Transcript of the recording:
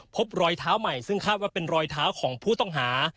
พบรอยเท้าใหม่ซึ่งคาดว่าเป็นรอยเท้าของผู้ต้องหา